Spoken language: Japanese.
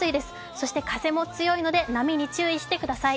そして風も強いので、波に注意してください。